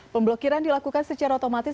pemblokiran dilakukan secara otomatis